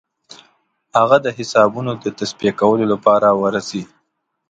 هغه د حسابونو د تصفیه کولو لپاره ورسي.